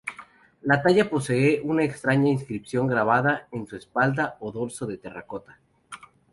La talla posee una extraña inscripción grabada en su espalda o dorso de terracota.